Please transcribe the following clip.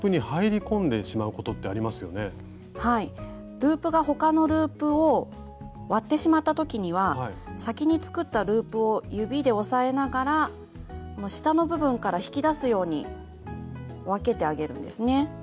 ループが他のループを割ってしまった時には先に作ったループを指で押さえながら下の部分から引き出すように分けてあげるんですね。